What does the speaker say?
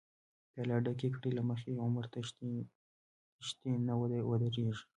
پيالی ډکې کړه له مخی، عمر تښتی نه ودريږی